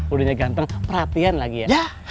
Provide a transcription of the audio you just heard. udahnya ganteng perhatian lagi ya